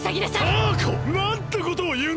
タアコなんてことをいうんだ！